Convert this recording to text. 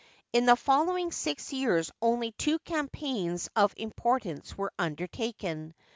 In the following six years only two campaigns of^ impor tance were undertaken.